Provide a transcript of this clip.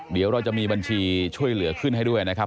เดี๋ยวเราจะมีบัญชีช่วยเหลือขึ้นให้ด้วยนะครับ